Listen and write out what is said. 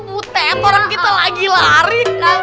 butet orang kita lagi lari